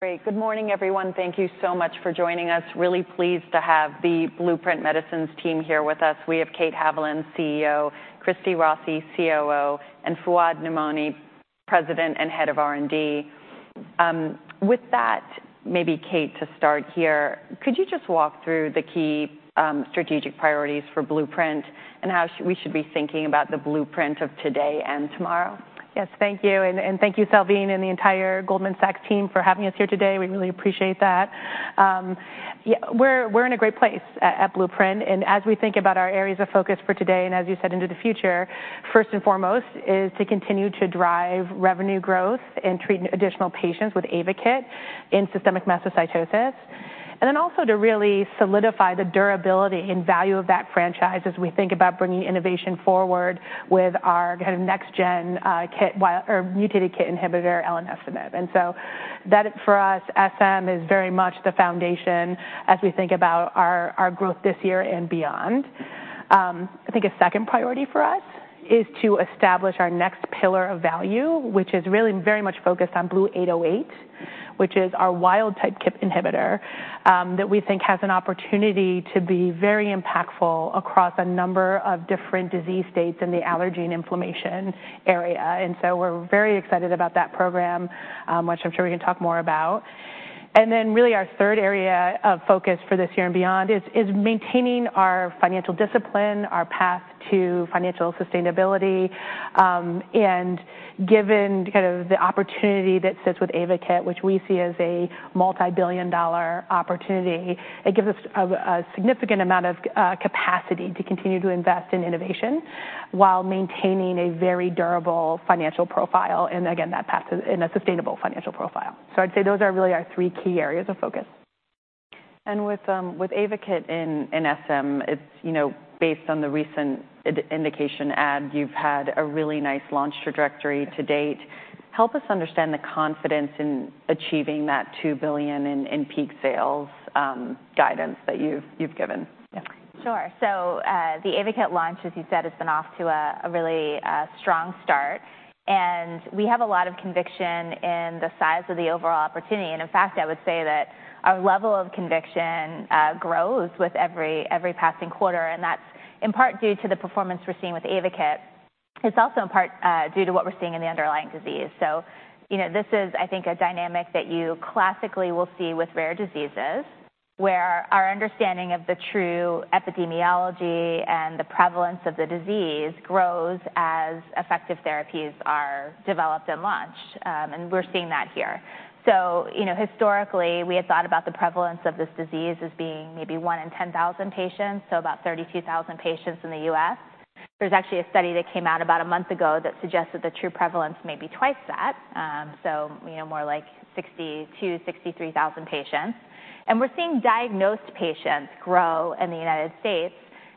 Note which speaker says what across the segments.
Speaker 1: Great. Good morning, everyone. Thank you so much for joining us. Really pleased to have the Blueprint Medicines team here with us. We have Kate Haviland, CEO, Christy Rossi, COO, and Fouad Namouni, President and Head of R&D. With that, maybe Kate, to start here, could you just walk through the key strategic priorities for Blueprint and how we should be thinking about the Blueprint of today and tomorrow?
Speaker 2: Yes, thank you, and thank you, Salveen, and the entire Goldman Sachs team for having us here today. We really appreciate that. Yeah, we're in a great place at Blueprint, and as we think about our areas of focus for today, and as you said, into the future, first and foremost is to continue to drive revenue growth and treat additional patients with AYVAKIT in systemic mastocytosis. And then also to really solidify the durability and value of that franchise as we think about bringing innovation forward with our kind of next-gen KIT wild or mutated KIT inhibitor, elenestinib. And so that, for us, SM is very much the foundation as we think about our growth this year and beyond. I think a second priority for us is to establish our next pillar of value, which is really very much focused on BLU-808, which is our wild-type KIT inhibitor, that we think has an opportunity to be very impactful across a number of different disease states in the allergy and inflammation area. And so we're very excited about that program, which I'm sure we can talk more about. And then really our third area of focus for this year and beyond is maintaining our financial discipline, our path to financial sustainability. And given kind of the opportunity that sits with AYVAKIT, which we see as a multibillion-dollar opportunity, it gives us a significant amount of capacity to continue to invest in innovation while maintaining a very durable financial profile, and again, that path to... And a sustainable financial profile. I'd say those are really our three key areas of focus.
Speaker 1: And with AYVAKIT in SM, it's, you know, based on the recent indication add, you've had a really nice launch trajectory to date. Help us understand the confidence in achieving that $2 billion in peak sales guidance that you've given.
Speaker 3: Sure. So, the AYVAKIT launch, as you said, has been off to a really strong start, and we have a lot of conviction in the size of the overall opportunity, and in fact, I would say that our level of conviction grows with every passing quarter, and that's in part due to the performance we're seeing with AYVAKIT. It's also in part due to what we're seeing in the underlying disease. So you know, this is, I think, a dynamic that you classically will see with rare diseases, where our understanding of the true epidemiology and the prevalence of the disease grows as effective therapies are developed and launched, and we're seeing that here. So, you know, historically, we had thought about the prevalence of this disease as being maybe one in 10,000 patients, so about 32,000 patients in the U.S. There's actually a study that came out about a month ago that suggests that the true prevalence may be twice that, so you know, more like 62,000-63,000 patients. We're seeing diagnosed patients grow in the United States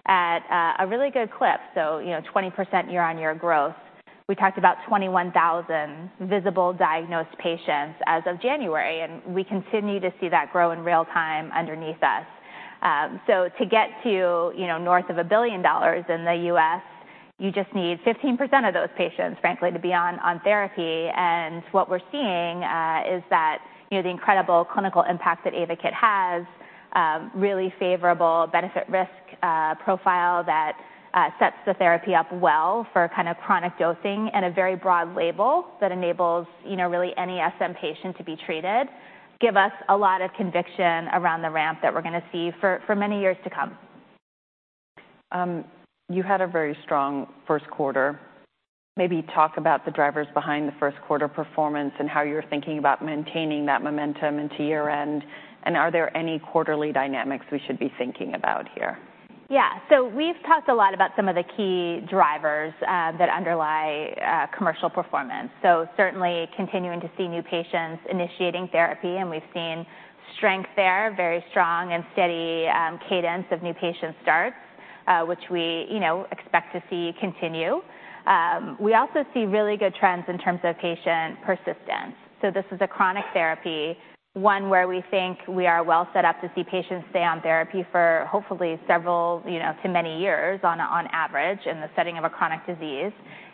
Speaker 3: at a really good clip, so, you know, 20% year-on-year growth. We talked about 21,000 visible diagnosed patients as of January, and we continue to see that grow in real time underneath us. So to get to, you know, north of $1 billion in the U.S., you just need 15% of those patients, frankly, to be on, on therapy. What we're seeing is that, you know, the incredible clinical impact that AYVAKIT has, really favorable benefit-risk profile that sets the therapy up well for kind of chronic dosing and a very broad label that enables, you know, really any SM patient to be treated, give us a lot of conviction around the ramp that we're gonna see for many years to come.
Speaker 1: You had a very strong first quarter. Maybe talk about the drivers behind the first quarter performance and how you're thinking about maintaining that momentum into year-end. Are there any quarterly dynamics we should be thinking about here?
Speaker 3: Yeah. So we've talked a lot about some of the key drivers that underlie commercial performance. So certainly continuing to see new patients initiating therapy, and we've seen strength there, very strong and steady cadence of new patient starts, which we, you know, expect to see continue. We also see really good trends in terms of patient persistence. So this is a chronic therapy, one where we think we are well set up to see patients stay on therapy for hopefully several, you know, to many years on average, in the setting of a chronic disease.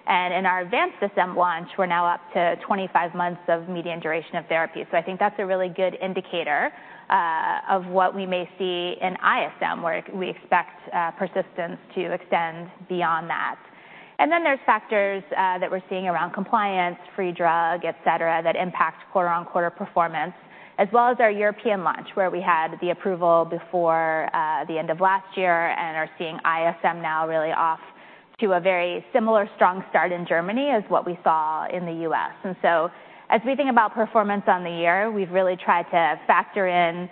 Speaker 3: And in our advanced SM launch, we're now up to 25 months of median duration of therapy. So I think that's a really good indicator of what we may see in ISM, where we expect persistence to extend beyond that. And then there's factors that we're seeing around compliance, free drug, et cetera, that impact quarter-on-quarter performance, as well as our European launch, where we had the approval before the end of last year and are seeing ISM now really off to a very similar strong start in Germany as what we saw in the U.S. And so as we think about performance on the year, we've really tried to factor in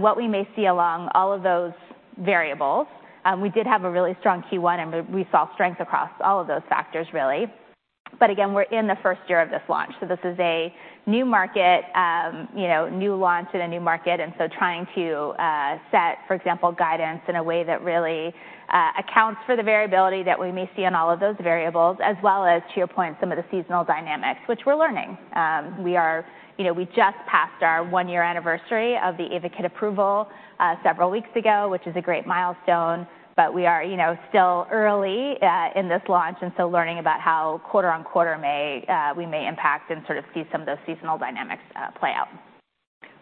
Speaker 3: what we may see along all of those variables. We did have a really strong Q1, and we saw strength across all of those factors, really. But again, we're in the first year of this launch, so this is a new market, you know, new launch in a new market, and so trying to set, for example, guidance in a way that really accounts for the variability that we may see on all of those variables, as well as, to your point, some of the seasonal dynamics, which we're learning. We are. You know, we just passed our one-year anniversary of the AYVAKIT approval several weeks ago, which is a great milestone, but we are, you know, still early in this launch, and so learning about how quarter on quarter may impact and sort of see some of those seasonal dynamics play out.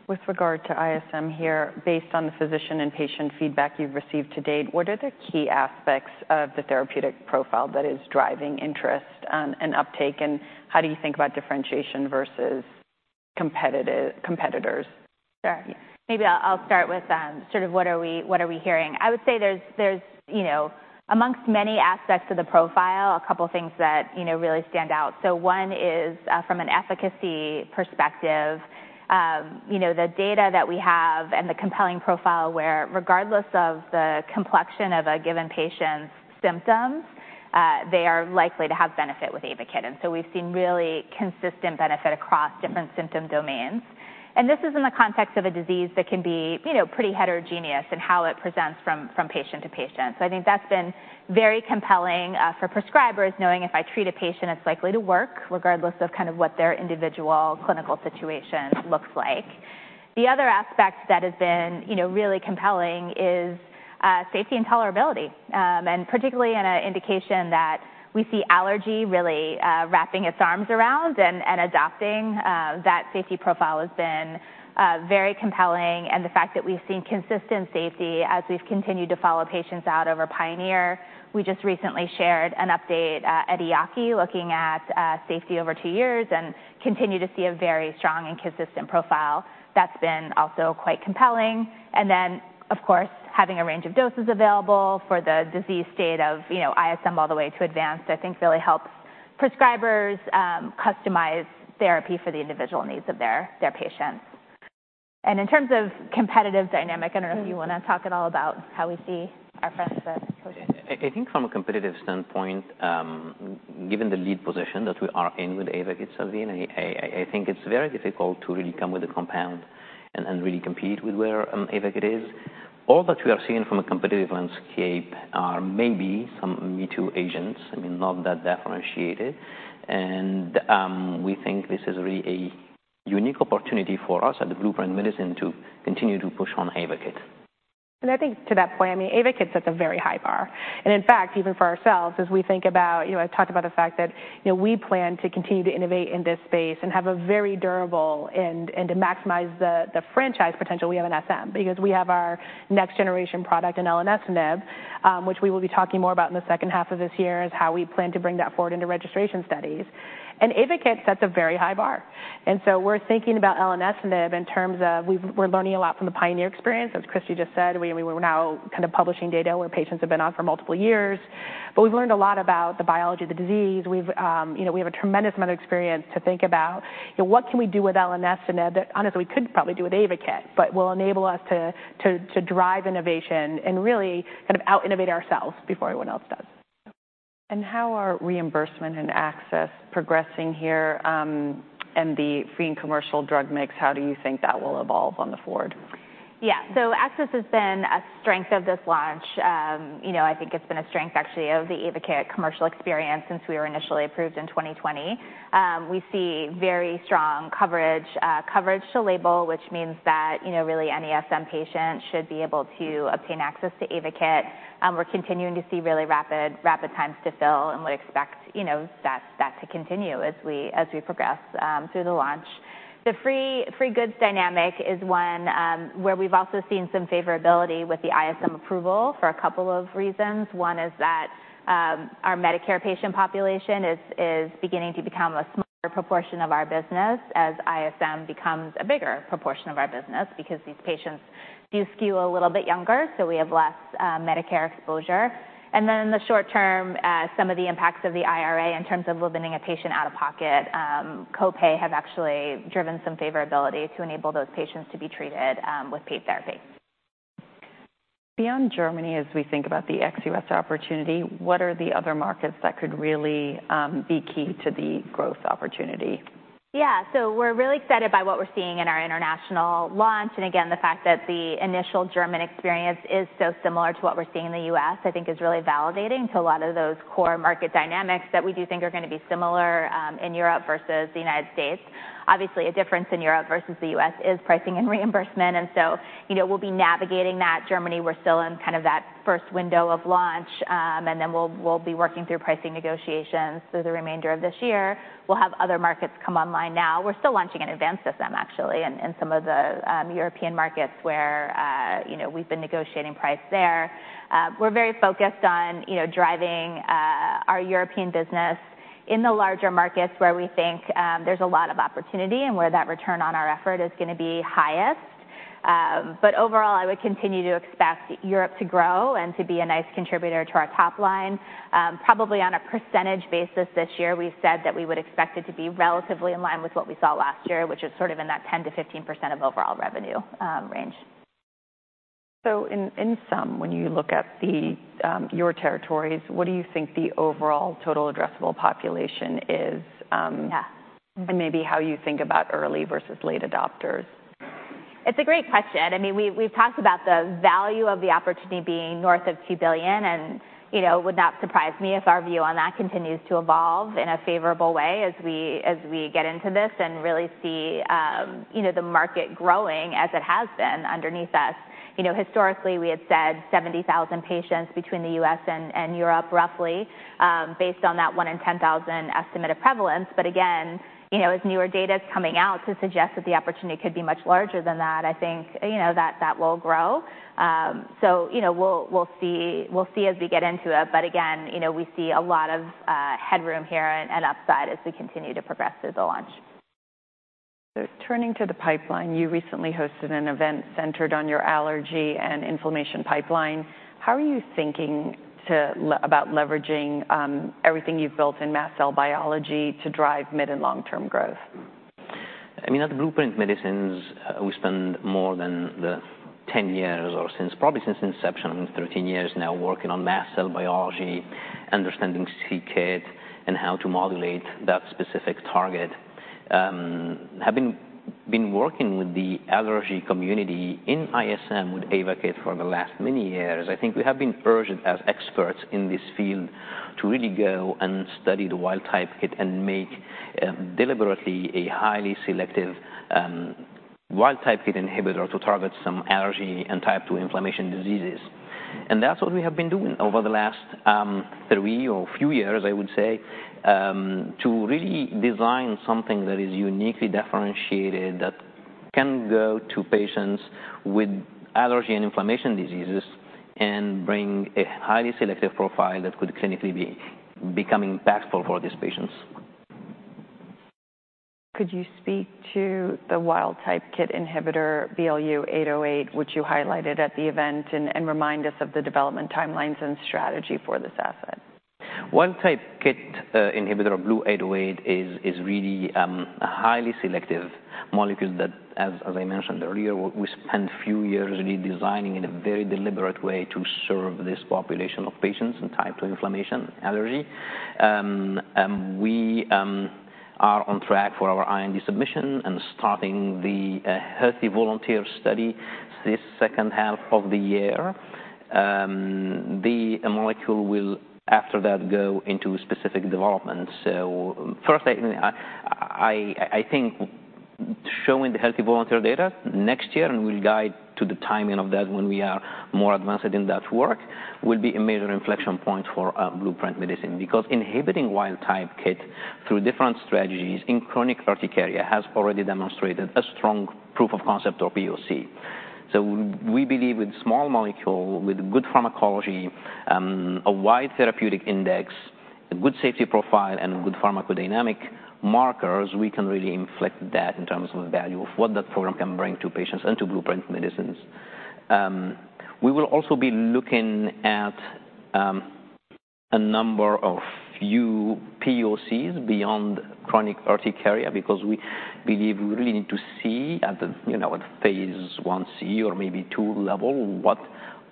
Speaker 1: ...With regard to ISM here, based on the physician and patient feedback you've received to date, what are the key aspects of the therapeutic profile that is driving interest, and uptake? And how do you think about differentiation versus competitors?
Speaker 3: Sure. Maybe I'll start with sort of what are we hearing? I would say there's you know amongst many aspects of the profile a couple things that you know really stand out. So one is from an efficacy perspective you know the data that we have and the compelling profile where regardless of the complexion of a given patient's symptoms they are likely to have benefit with AYVAKIT. And so we've seen really consistent benefit across different symptom domains. And this is in the context of a disease that can be you know pretty heterogeneous in how it presents from patient to patient. So I think that's been very compelling for prescribers knowing if I treat a patient it's likely to work regardless of kind of what their individual clinical situation looks like. The other aspect that has been, you know, really compelling is safety and tolerability, and particularly in an indication that we see allergy really wrapping its arms around and adopting that safety profile has been very compelling, and the fact that we've seen consistent safety as we've continued to follow patients out over PIONEER. We just recently shared an update at EAACI, looking at safety over two years and continue to see a very strong and consistent profile that's been also quite compelling. And then, of course, having a range of doses available for the disease state of, you know, ISM all the way to advanced, I think, really helps prescribers customize therapy for the individual needs of their patients. In terms of competitive dynamic, I don't know if you want to talk at all about how we see our presence with-
Speaker 4: I think from a competitive standpoint, given the lead position that we are in with AYVAKIT, avapritinib, I think it's very difficult to really come with a compound and really compete with where AYVAKIT is. All that we are seeing from a competitive landscape are maybe some me-too agents, I mean, not that differentiated. We think this is really a unique opportunity for us at Blueprint Medicines to continue to push on AYVAKIT.
Speaker 2: I think to that point, I mean, AYVAKIT sets a very high bar. And in fact, even for ourselves, as we think about... You know, I talked about the fact that, you know, we plan to continue to innovate in this space and have a very durable and to maximize the franchise potential we have in SM, because we have our next generation product in elenestinib, which we will be talking more about in the second half of this year, is how we plan to bring that forward into registration studies. And AYVAKIT sets a very high bar, and so we're thinking about elenestinib in terms of we're learning a lot from the PIONEER experience. As Christy just said, we're now kind of publishing data where patients have been on for multiple years, but we've learned a lot about the biology of the disease. We've, you know, we have a tremendous amount of experience to think about, you know, what can we do with elenestinib that, honestly, we could probably do with avapritinib, but will enable us to drive innovation and really kind of out-innovate ourselves before anyone else does.
Speaker 1: How are reimbursement and access progressing here, and the free and commercial drug mix, how do you think that will evolve going forward?
Speaker 3: Yeah. So access has been a strength of this launch. You know, I think it's been a strength, actually, of the AYVAKIT commercial experience since we were initially approved in 2020. We see very strong coverage to label, which means that, you know, really, any SM patient should be able to obtain access to AYVAKIT. We're continuing to see really rapid times to fill and would expect, you know, that to continue as we progress through the launch. The free goods dynamic is one where we've also seen some favorability with the ISM approval for a couple of reasons. One is that, our Medicare patient population is beginning to become a smaller proportion of our business as ISM becomes a bigger proportion of our business, because these patients do skew a little bit younger, so we have less Medicare exposure. And then in the short term, some of the impacts of the IRA in terms of limiting a patient out-of-pocket copay have actually driven some favorability to enable those patients to be treated with paid therapy.
Speaker 1: Beyond Germany, as we think about the ex U.S. opportunity, what are the other markets that could really be key to the growth opportunity?
Speaker 3: Yeah, so we're really excited by what we're seeing in our international launch. Again, the fact that the initial German experience is so similar to what we're seeing in the U.S., I think is really validating to a lot of those core market dynamics that we do think are gonna be similar in Europe versus the United States. Obviously, a difference in Europe versus the U.S. is pricing and reimbursement, and so you know, we'll be navigating that. Germany, we're still in kind of that first window of launch, and then we'll be working through pricing negotiations through the remainder of this year. We'll have other markets come online. Now, we're still launching an advanced SM, actually, in some of the European markets where you know, we've been negotiating price there. We're very focused on, you know, driving our European business in the larger markets, where we think there's a lot of opportunity and where that return on our effort is gonna be highest. But overall, I would continue to expect Europe to grow and to be a nice contributor to our top line. Probably on a percentage basis this year, we've said that we would expect it to be relatively in line with what we saw last year, which is sort of in that 10%-15% of overall revenue range.
Speaker 1: So in sum, when you look at your territories, what do you think the overall total addressable population is?
Speaker 3: Yeah.
Speaker 1: and maybe how you think about early versus late adopters?
Speaker 3: It's a great question. I mean, we, we've talked about the value of the opportunity being north of $2 billion, and you know, it would not surprise me if our view on that continues to evolve in a favorable way as we, as we get into this and really see, you know, the market growing as it has been underneath us. You know, historically, we had said 70,000 patients between the U.S. and, and Europe, roughly, based on that 1 in 10,000 estimate of prevalence. But again, you know, as newer data is coming out to suggest that the opportunity could be much larger than that, I think, you know, that that will grow. So you know, we'll, we'll see, we'll see as we get into it. But again, you know, we see a lot of headroom here and upside as we continue to progress through the launch. ...
Speaker 1: So turning to the pipeline, you recently hosted an event centered on your allergy and inflammation pipeline. How are you thinking about leveraging everything you've built in mast cell biology to drive mid and long-term growth?
Speaker 4: I mean, at Blueprint Medicines, we spend more than the 10 years or since, probably since inception, 13 years now, working on mast cell biology, understanding c-KIT, and how to modulate that specific target. Having been working with the allergy community in ISM, with AYVAKIT for the last many years, I think we have been urged as experts in this field to really go and study the wild-type KIT and make deliberately a highly selective, wild-type KIT inhibitor to target some allergy and type 2 inflammation diseases. And that's what we have been doing over the last, three or few years, I would say, to really design something that is uniquely differentiated, that can go to patients with allergy and inflammation diseases, and bring a highly selective profile that could clinically be becoming impactful for these patients.
Speaker 1: Could you speak to the wild-type KIT inhibitor, BLU-808, which you highlighted at the event, and remind us of the development timelines and strategy for this asset?
Speaker 4: Wild-type KIT inhibitor, BLU-808, is really a highly selective molecule that, as I mentioned earlier, we spent a few years really designing in a very deliberate way to serve this population of patients in type 2 inflammation allergy. We are on track for our IND submission and starting the healthy volunteer study this second half of the year. The molecule will, after that, go into specific development. So first, I think showing the healthy volunteer data next year, and we'll guide to the timing of that when we are more advanced in that work, will be a major inflection point for Blueprint Medicines. Because inhibiting wild-type KIT through different strategies in chronic urticaria has already demonstrated a strong proof of concept, or POC. We believe with small molecule, with good pharmacology, a wide therapeutic index, a good safety profile, and good pharmacodynamic markers, we can really inflect that in terms of the value of what that program can bring to patients and to Blueprint Medicines. We will also be looking at a number of POCs beyond chronic urticaria, because we believe we really need to see at the, you know, at Phase 1c or maybe 2 level, what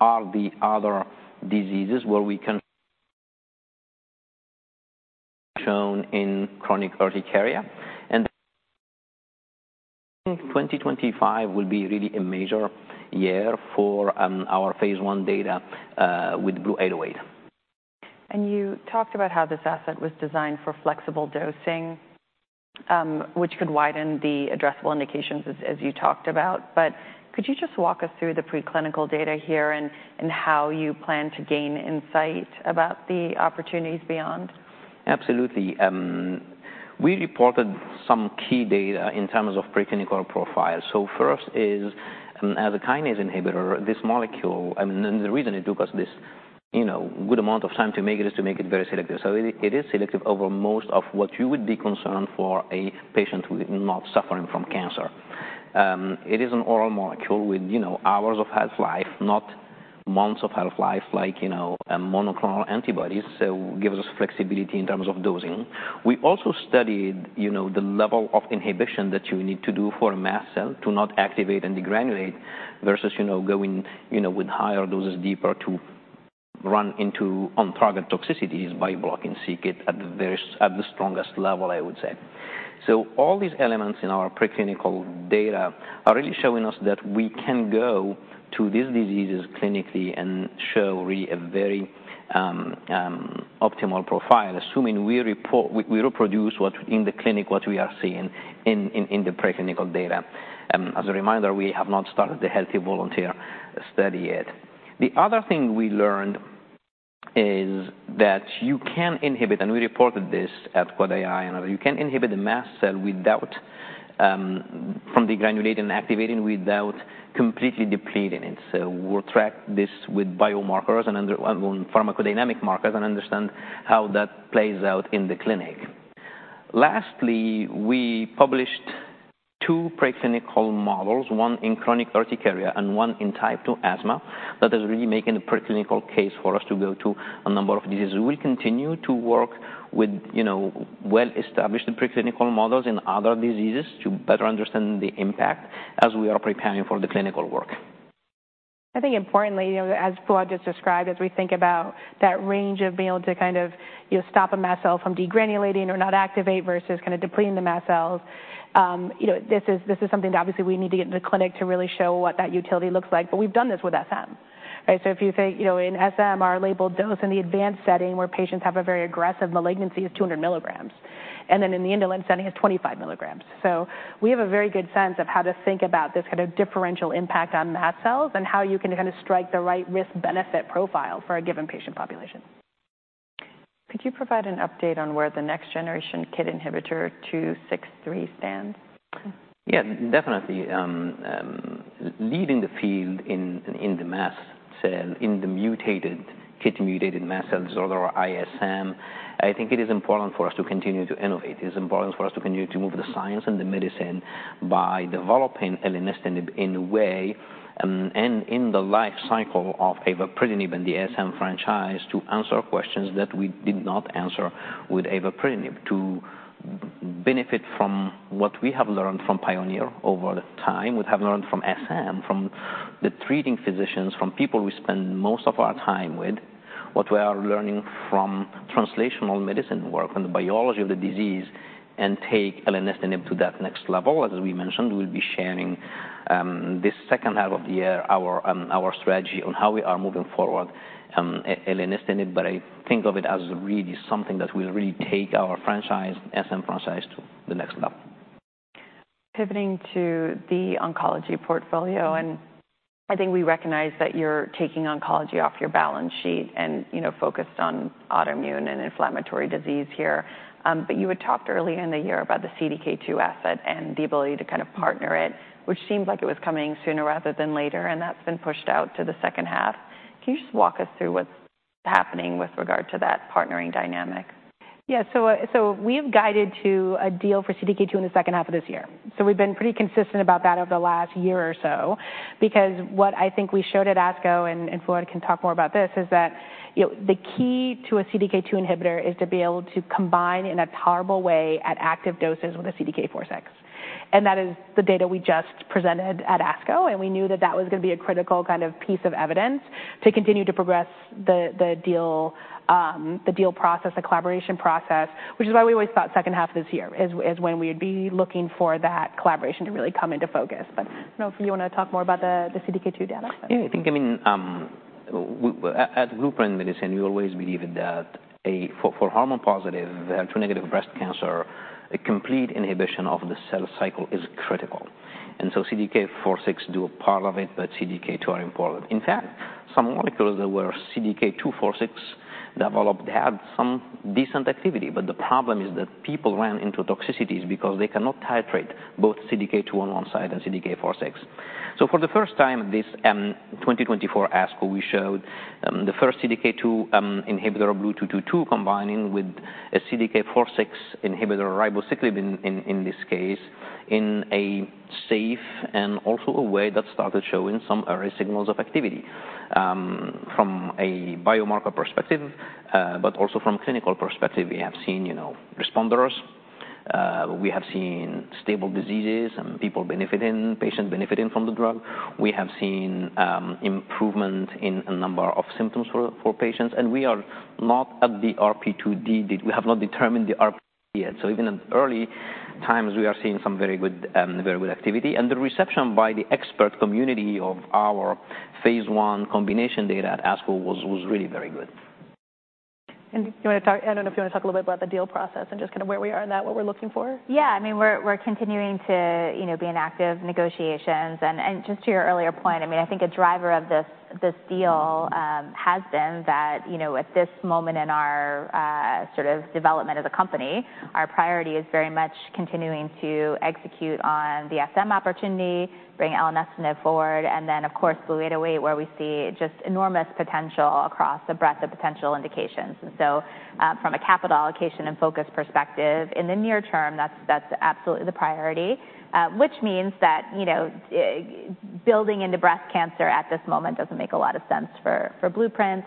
Speaker 4: are the other diseases where we can shown in chronic urticaria. 2025 will be really a major year for our Phase 1 data with BLU-808.
Speaker 1: You talked about how this asset was designed for flexible dosing, which could widen the addressable indications, as you talked about. But could you just walk us through the preclinical data here and how you plan to gain insight about the opportunities beyond?
Speaker 4: Absolutely. We reported some key data in terms of preclinical profile. So first is, as a kinase inhibitor, this molecule—I mean, and the reason it took us this, you know, good amount of time to make it, is to make it very selective. So it, it is selective over most of what you would be concerned for a patient who is not suffering from cancer. It is an oral molecule with, you know, hours of half-life, not months of half-life, like, you know, a monoclonal antibody, so gives us flexibility in terms of dosing. We also studied, you know, the level of inhibition that you need to do for a mast cell to not activate and degranulate versus, you know, going, you know, with higher doses deeper to run into on-target toxicities by blocking c-KIT at the very, at the strongest level, I would say. So all these elements in our preclinical data are really showing us that we can go to these diseases clinically and show really a very optimal profile, assuming we reproduce what we are seeing in the clinic, in the preclinical data. As a reminder, we have not started the healthy volunteer study yet. The other thing we learned is that you can inhibit, and we reported this at VantAI, and you can inhibit the mast cell without from degranulating and activating, without completely depleting it. So we'll track this with biomarkers and pharmacodynamic markers and understand how that plays out in the clinic. Lastly, we published 2 preclinical models, 1 in chronic urticaria and 1 in type 2 asthma, that is really making a preclinical case for us to go to a number of diseases. We'll continue to work with, you know, well-established preclinical models in other diseases to better understand the impact as we are preparing for the clinical work.
Speaker 2: I think importantly, you know, as Fouad just described, as we think about that range of being able to kind of, you know, stop a mast cell from degranulating or not activate versus kind of depleting the mast cells, you know, this is, this is something that obviously we need to get in the clinic to really show what that utility looks like. But we've done this with SM, right? So if you think, you know, in SM, our labeled dose in the advanced setting where patients have a very aggressive malignancy is 200 mg, and then in the indolent setting, it's 25 mg. So we have a very good sense of how to think about this kind of differential impact on mast cells and how you can kind of strike the right risk-benefit profile for a given patient population. ...
Speaker 3: Could you provide an update on where the next generation KIT inhibitor BLU-263 stands?
Speaker 4: Yeah, definitely. Leading the field in the mast cell, in the mutated, KIT-mutated mast cell disorder, ISM, I think it is important for us to continue to innovate. It's important for us to continue to move the science and the medicine by developing elenestinib in a way, and in the life cycle of avapritinib and the SM franchise, to answer questions that we did not answer with avapritinib. To benefit from what we have learned from Pioneer over the time, we have learned from SM, from the treating physicians, from people we spend most of our time with, what we are learning from translational medicine work and the biology of the disease, and take elenestinib to that next level. As we mentioned, we'll be sharing, this second half of the year, our strategy on how we are moving forward, elenestinib. I think of it as really something that will really take our franchise, SM franchise, to the next level.
Speaker 1: Pivoting to the oncology portfolio, and I think we recognize that you're taking oncology off your balance sheet and, you know, focused on autoimmune and inflammatory disease here. But you had talked earlier in the year about the CDK2 asset and the ability to kind of partner it, which seemed like it was coming sooner rather than later, and that's been pushed out to the second half. Can you just walk us through what's happening with regard to that partnering dynamic?
Speaker 2: Yeah. So, so we've guided to a deal for CDK2 in the second half of this year. So we've been pretty consistent about that over the last year or so, because what I think we showed at ASCO, and, and Fouad can talk more about this, is that, you know, the key to a CDK2 inhibitor is to be able to combine in a powerful way at active doses with a CDK4/6. And that is the data we just presented at ASCO, and we knew that that was gonna be a critical kind of piece of evidence to continue to progress the deal process, the collaboration process, which is why we always thought second half of this year is when we'd be looking for that collaboration to really come into focus. But, Fouad, you wanna talk more about the CDK2 data?
Speaker 4: Yeah, I think, I mean, at Blueprint Medicines, you always believe that for hormone positive, the HER2-negative breast cancer, a complete inhibition of the cell cycle is critical, and so CDK4/6 do a part of it, but CDK2 are important. In fact, some molecules that were CDK2/4/6 developed, had some decent activity, but the problem is that people ran into toxicities because they cannot titrate both CDK2 on one side and CDK4/6. So for the first time, this 2024 ASCO, we showed the first CDK2 inhibitor of BLU-222, combining with a CDK4/6 inhibitor, ribociclib, in this case, in a safe and also a way that started showing some early signals of activity. From a biomarker perspective, but also from clinical perspective, we have seen, you know, responders. We have seen stable diseases and people benefiting, patients benefiting from the drug. We have seen improvement in a number of symptoms for patients, and we are not at the RP2D. We have not determined the RP yet. So even in early times, we are seeing some very good activity. And the reception by the expert community of our phase 1 combination data at ASCO was really very good.
Speaker 2: Do you wanna talk? I don't know if you wanna talk a little bit about the deal process and just kind of where we are in that, what we're looking for?
Speaker 3: Yeah, I mean, we're continuing to, you know, be in active negotiations. And just to your earlier point, I mean, I think a driver of this deal has been that, you know, at this moment in our sort of development as a company, our priority is very much continuing to execute on the SM opportunity, bring elenestinib forward, and then of course, BLU-808, where we see just enormous potential across the breadth of potential indications. And so, from a capital allocation and focus perspective, in the near term, that's absolutely the priority, which means that, you know, building into breast cancer at this moment doesn't make a lot of sense for Blueprint.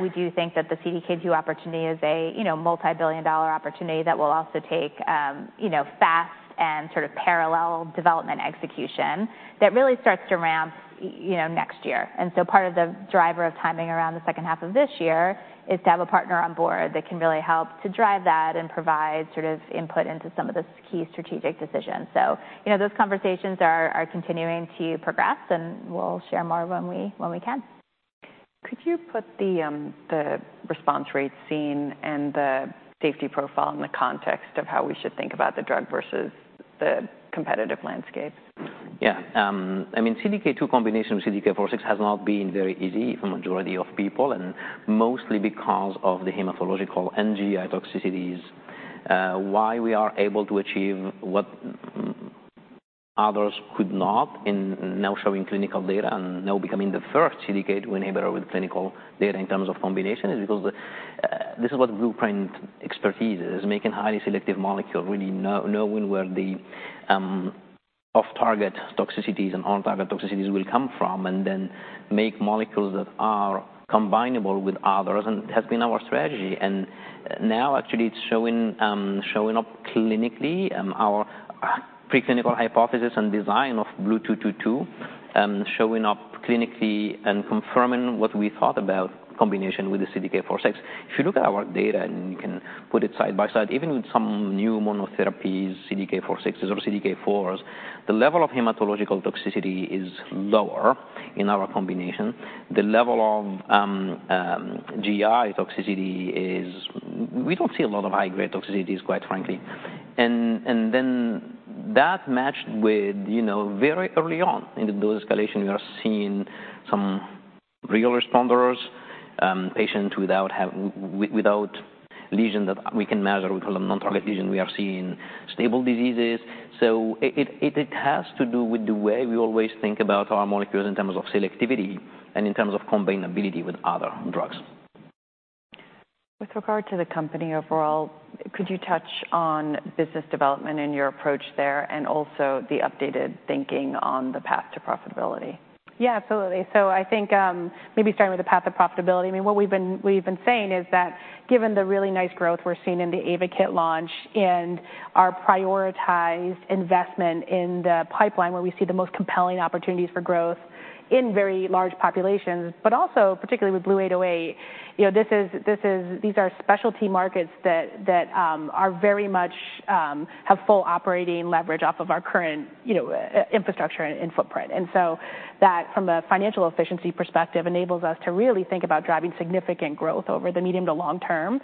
Speaker 3: We do think that the CDK2 opportunity is a, you know, multi-billion dollar opportunity that will also take, you know, fast and sort of parallel development execution that really starts to ramp, you know, next year. And so part of the driver of timing around the second half of this year is to have a partner on board that can really help to drive that and provide sort of input into some of the key strategic decisions. So, you know, those conversations are continuing to progress, and we'll share more when we can.
Speaker 1: Could you put the response rates seen and the safety profile in the context of how we should think about the drug versus the competitive landscape?
Speaker 4: Yeah. I mean, CDK2 combination with CDK4/6 has not been very easy for majority of people, and mostly because of the hematological and GI toxicities. Why we are able to achieve what others could not in now showing clinical data and now becoming the first CDK2 inhibitor with clinical data in terms of combination, is because this is what Blueprint expertise is, making highly selective molecule, really knowing where the off-target toxicities and on-target toxicities will come from, and then make molecules that are combinable with others, and it has been our strategy. And now actually it's showing up clinically, our preclinical hypothesis and design of BLU-222 showing up clinically and confirming what we thought about combination with the CDK4/6. If you look at our data, and you can put it side by side, even with some new monotherapies, CDK4/6 or CDK4s, the level of hematological toxicity is lower in our combination. The level of GI toxicity is. We don't see a lot of high-grade toxicities, quite frankly. And then that matched with, you know, very early on in the dose escalation, we are seeing some real responders, patients without lesion that we can measure. We call them non-target lesion. We are seeing stable diseases. So it has to do with the way we always think about our molecules in terms of selectivity and in terms of combinability with other drugs.
Speaker 1: With regard to the company overall, could you touch on business development and your approach there, and also the updated thinking on the path to profitability?
Speaker 2: Yeah, absolutely. So I think, maybe starting with the path to profitability, I mean, what we've been, we've been saying is that given the really nice growth we're seeing in the AYVAKIT launch and our prioritized investment in the pipeline, where we see the most compelling opportunities for growth in very large populations, but also particularly with BLU-808, you know, this is, this is, these are specialty markets that, that, are very much, have full operating leverage off of our current, you know, infrastructure and footprint. And so that, from a financial efficiency perspective, enables us to really think about driving significant growth over the medium to long term,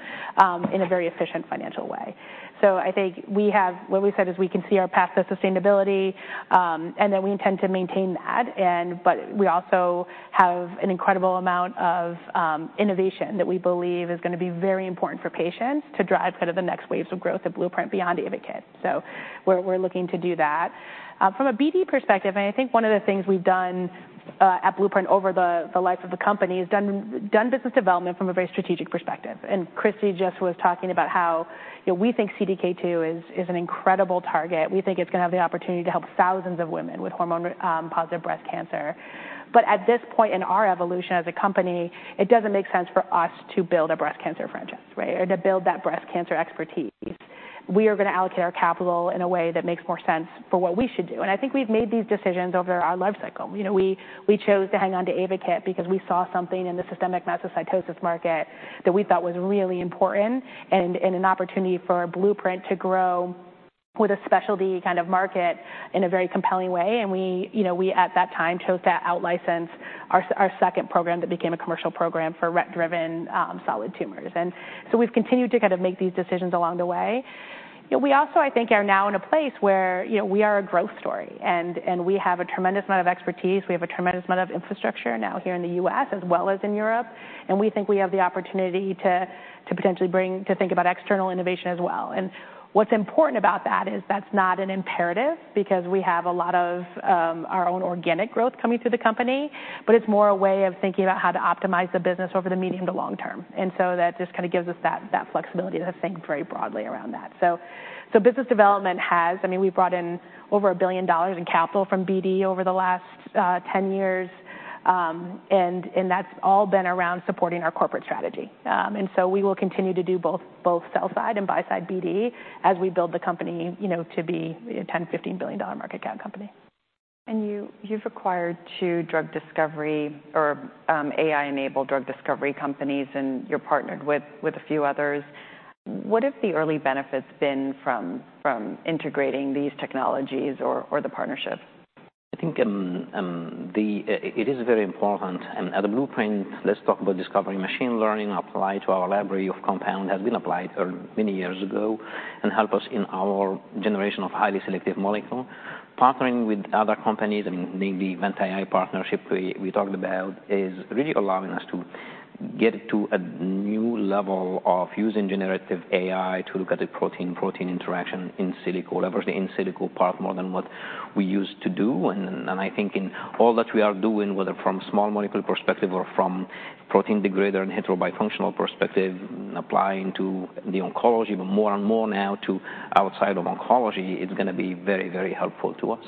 Speaker 2: in a very efficient financial way. So I think we have what we said is we can see our path to sustainability, and that we intend to maintain that, and but we also have an incredible amount of innovation that we believe is gonna be very important for patients to drive kind of the next waves of growth at Blueprint beyond AYVAKIT. So we're, we're looking to do that. From a BD perspective, and I think one of the things we've done at Blueprint over the life of the company is done business development from a very strategic perspective. And Christy just was talking about how, you know, we think CDK2 is an incredible target. We think it's gonna have the opportunity to help thousands of women with hormone positive breast cancer. But at this point in our evolution as a company, it doesn't make sense for us to build a breast cancer franchise, right? Or to build that breast cancer expertise. We are gonna allocate our capital in a way that makes more sense for what we should do. And I think we've made these decisions over our lifecycle. You know, we, we chose to hang on to AYVAKIT because we saw something in the systemic mastocytosis market that we thought was really important and, and an opportunity for Blueprint to grow with a specialty kind of market in a very compelling way. And we, you know, we, at that time, chose to out-license our second program that became a commercial program for RET-driven solid tumors. And so we've continued to kind of make these decisions along the way. You know, we also, I think, are now in a place where, you know, we are a growth story, and we have a tremendous amount of expertise. We have a tremendous amount of infrastructure now here in the US as well as in Europe, and we think we have the opportunity to potentially bring to think about external innovation as well. And what's important about that is that's not an imperative, because we have a lot of our own organic growth coming through the company, but it's more a way of thinking about how to optimize the business over the medium to long term. And so that just kind of gives us that flexibility to think very broadly around that. So business development has... I mean, we've brought in over $1 billion in capital from BD over the last 10 years, and that's all been around supporting our corporate strategy. So we will continue to do both, both sell side and buy side BD, as we build the company, you know, to be a $10 billion-$15 billion market cap company.
Speaker 1: And you, you've acquired two drug discovery or AI-enabled drug discovery companies, and you're partnered with a few others. What have the early benefits been from integrating these technologies or the partnerships?
Speaker 4: I think it is very important, and at the Blueprint, let's talk about discovery. Machine learning apply to our library of compound has been applied for many years ago and help us in our generation of highly selective molecule. Partnering with other companies, I mean, the VantAI partnership we talked about, is really allowing us to get to a new level of using generative AI to look at the protein-protein interaction in silico, leverage the in silico part more than what we used to do. And I think in all that we are doing, whether from small molecule perspective or from protein degrader and heterobifunctional perspective, applying to the oncology, but more and more now to outside of oncology, it's gonna be very, very helpful to us.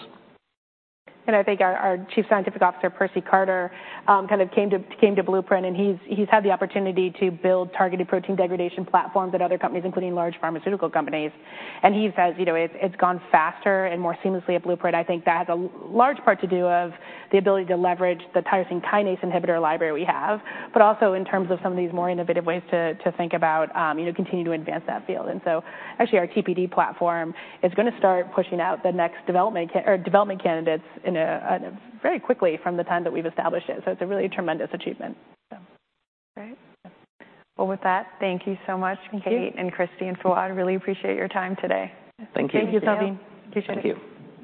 Speaker 2: I think our Chief Scientific Officer, Percy Carter, kind of came to Blueprint, and he's had the opportunity to build targeted protein degradation platforms at other companies, including large pharmaceutical companies. He says, you know, it's gone faster and more seamlessly at Blueprint. I think that has a large part to do with the ability to leverage the tyrosine kinase inhibitor library we have, but also in terms of some of these more innovative ways to think about, you know, continue to advance that field. Actually, our TPD platform is gonna start pushing out the next development candidates very quickly from the time that we've established it. It's a really tremendous achievement.
Speaker 1: Great. Well, with that, thank you so much, Kate-
Speaker 2: Thank you.
Speaker 1: and Christy and Fouad. I really appreciate your time today.
Speaker 4: Thank you.
Speaker 2: Thank you, Salveen. Appreciate it.
Speaker 4: Thank you.